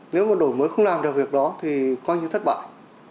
nếu mà đổi mới không làm được việc đó thì coi như thất bại